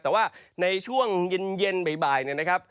แต่ว่าในช่วงเย็นบ่ายเนี่ยนะครับ